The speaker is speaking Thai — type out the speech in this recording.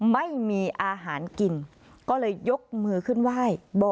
ไม่มีอาหารกินก็เลยยกมือขึ้นไหว้